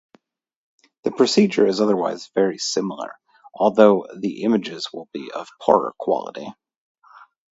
The procedure is otherwise very similar, although the images will be of poorer quality.